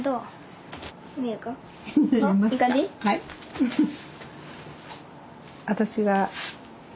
ウフフフ。